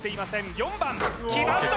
４番きました